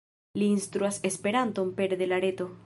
Li instruas Esperanton pere de la reto.